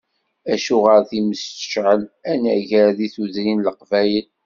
Acuɣer times tecεel anagar deg tudrin n Leqbayel?